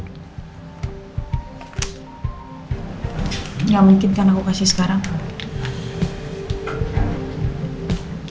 tidak mungkin kan aku kasih sekarang